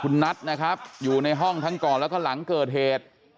คุณนัทนะครับอยู่ในห้องทั้งก่อนแล้วก็หลังเกิดเหตุ